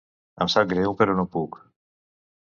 Em sap greu, però no puc.